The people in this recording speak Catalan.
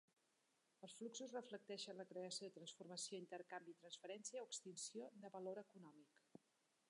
Els fluxos reflecteixen la creació, transformació, intercanvi, transferència o extinció de valor econòmic.